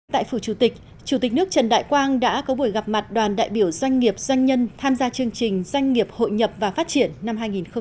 tại phủ chủ tịch chủ tịch nước trần đại quang đã có buổi gặp mặt đoàn đại biểu doanh nghiệp doanh nhân tham gia chương trình doanh nghiệp hội nhập và phát triển năm hai nghìn hai mươi